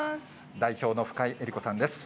代表の深井えり子さんです。